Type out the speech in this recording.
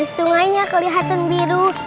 sungainya kelihatan biru